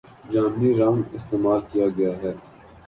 جامنی رنگ استعمال کیا گیا ہے